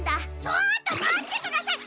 ちょっとまってください！